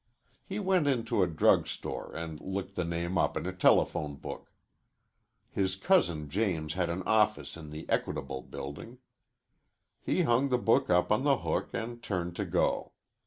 He went into a drug store and looked the name up in a telephone book. His cousin James had an office in the Equitable Building. He hung the book up on the hook and turned to go.